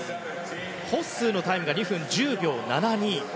ホッスーのタイムが２分１０秒７２。